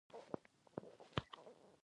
ما له دوکانه د شکر بوجي واخیسته.